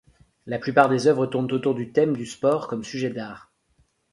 La plupart des œuvres tournent autour du thème du sport comme sujet d'art.